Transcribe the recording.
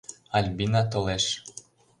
Альбина толеш.